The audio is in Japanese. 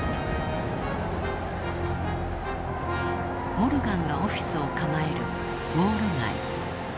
モルガンがオフィスを構えるウォール街。